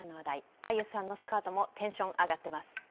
あゆさんのスカートもテンション上がってます。